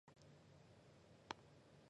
封面照片使用了现成照片。